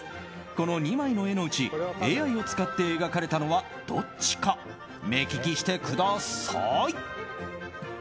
この２枚の絵のうちＡＩを使って描かれたのはどっちか目利きしてください。